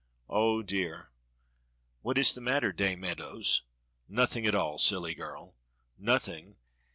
"Oh, dear! What is the matter, Dame Meadows?" "Nothing at all, silly girl." "Nothing!